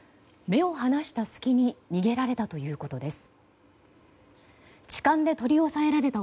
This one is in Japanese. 目を離した隙に逃げられたということです。